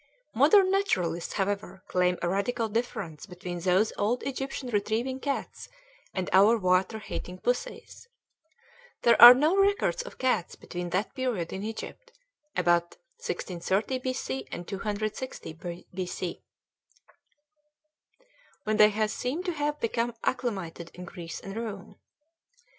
Modern naturalists, however, claim a radical difference between those old Egyptian retrieving cats and our water hating pussies. There are no records of cats between that period in Egypt, about 1630 B.C., and 260 B.C., when they seem to have become acclimated in Greece and Rome.